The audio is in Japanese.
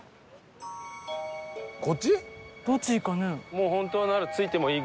どっちかね？